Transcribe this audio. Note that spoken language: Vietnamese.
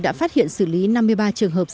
đã phát hiện xử lý năm mươi ba trường hợp